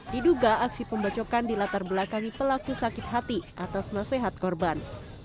diduga aksi pembacokan dilatar belakangi pelaku sakit hati atas nasihat korban